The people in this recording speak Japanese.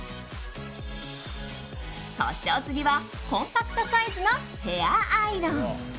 そしてお次はコンパクトサイズのヘアアイロン。